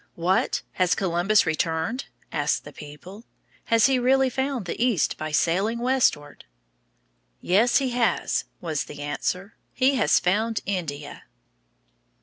"What! has Columbus returned?" asked the people. "Has he really found the East by sailing westward?" "Yes, he has," was the answer. "He has found India."